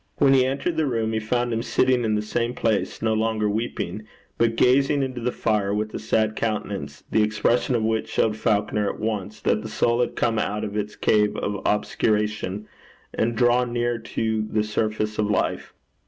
When he entered the room he found him sitting in the same place, no longer weeping, but gazing into the fire with a sad countenance, the expression of which showed Falconer at once that the soul had come out of its cave of obscuration, and drawn nearer to the surface of life.